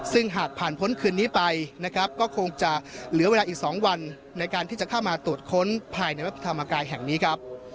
ซึ่งหากผ่านพ้นคืนนี้ไปนะครับก็คงจะเหลือเวลาอีก๒วันในการที่จะเข้ามาตรวจค้นภายในวัดพระธรรมกายแห่งนี้ครับ